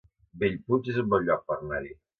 Bellpuig es un bon lloc per anar-hi